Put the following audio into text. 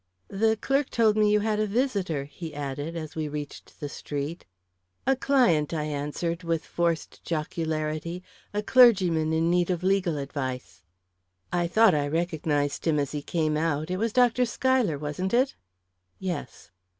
The clerk told me you had a visitor," he added, as we reached the street. "A client," I answered, with forced jocularity. "A clergyman in need of legal advice." "I thought I recognised him as he came out. It was Dr. Schuyler, wasn't it?" "Yes."